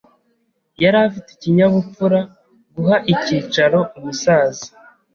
Yari afite ikinyabupfura guha icyicaro umusaza.